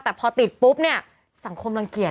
แต่พอติดปุ๊บเนี่ยสังคมรังเกียจ